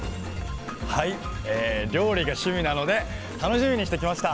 料理が趣味なので楽しみにしてきました。